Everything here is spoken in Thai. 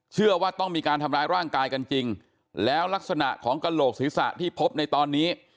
เชื่อว่าต้องมีการทำร้ายร่างกายกันจริงแล้วลักษณะของกระโหลกศีรษะที่พบในตอนนี้